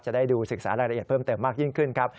ได้ดูศึกษารายละเอียดเพิ่มเติมมากยิ่งขึ้นครับ